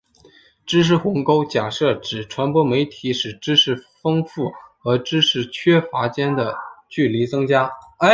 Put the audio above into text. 知识鸿沟假设指传播媒体使知识丰富和知识缺乏间的距离增加。